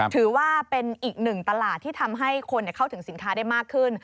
ถือว่าเป็นอีกหนึ่งตลาดที่ทำให้คนเข้าถึงสินค้าได้มากขึ้น